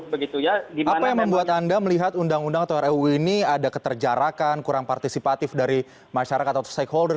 apa yang membuat anda melihat undang undang atau ruu ini ada keterjarakan kurang partisipatif dari masyarakat atau stakeholders